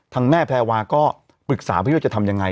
ทางแม่แพรวาก็ปรึกษาพี่ว่าจะทำยังไง